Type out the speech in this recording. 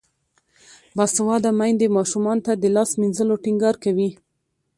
باسواده میندې ماشومانو ته د لاس مینځلو ټینګار کوي.